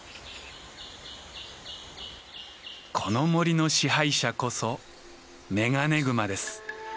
この森の支配者こそメガネグマです。